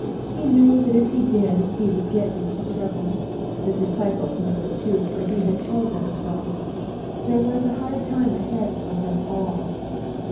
He knew that if he did he would get into trouble. The disciples knew it too, for he had told them so. There was a hard time ahead for them all.